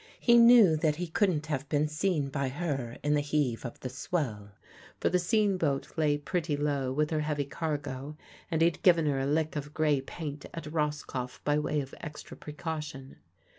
He knew that he couldn't have been seen by her in the heave of the swell, for the sean boat lay pretty low with her heavy cargo, and he'd given her a lick of grey paint at Roscoff by way of extra precaution.